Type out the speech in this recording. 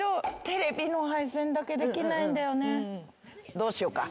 どうしようか。